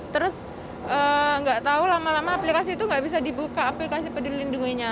terus nggak tahu lama lama aplikasi itu nggak bisa dibuka aplikasi peduli lindunginya